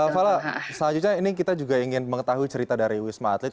fala selanjutnya ini kita juga ingin mengetahui cerita dari wisma atlet